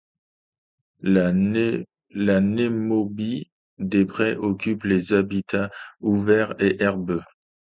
La Némobie des prés occupe les habitats ouverts et herbeux.